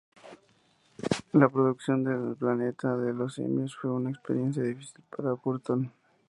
La producción de El planeta de los simios fue una experiencia difícil para Burton.